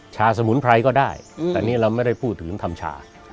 ชาสมุนไพรก็ได้แต่นี่เราไม่ได้พูดถึงทำชา